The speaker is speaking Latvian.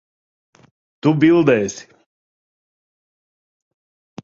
Tu bildēsi.